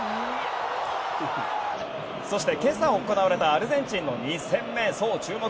そして、今朝行われたアルゼンチンの２戦目そう、注目